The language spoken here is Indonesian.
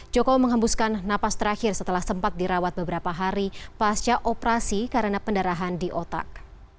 joko menghembuskan napas terakhir setelah sempat dirawat beberapa hari pasca operasi karena pendarahan di otak